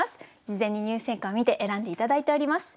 事前に入選歌を見て選んで頂いております。